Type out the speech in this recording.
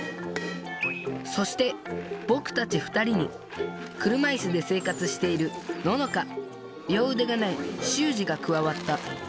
そして僕たち２人に車いすで生活しているののか両腕がないしゅうじが加わった。